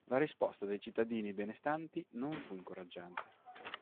La risposta dei cittadini benestanti non fu incoraggiante.